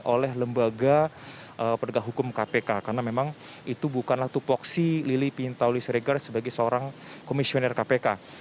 oleh lembaga penegak hukum kpk karena memang itu bukanlah tupoksi lili pintauli siregar sebagai seorang komisioner kpk